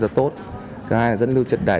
cho tốt thứ hai là dẫn lưu trật đẩy